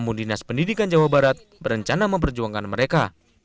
namun dinas pendidikan jawa barat berencana memperjuangkan mereka